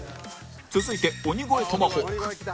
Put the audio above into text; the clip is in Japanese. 続いて鬼越トマホーク